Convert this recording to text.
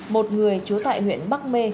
một người chú tại huyện bắc mê